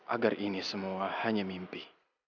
agar ini semua hanya mimpi